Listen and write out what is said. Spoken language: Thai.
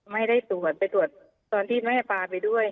ไม่ได้ตรวจไปตรวจตอนที่แม่ปลาไปด้วย